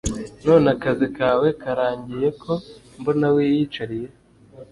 None akazi kawe karangiye ko mbona wiyicariye?